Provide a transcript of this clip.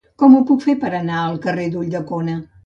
Com ho puc fer per anar al carrer d'Ulldecona?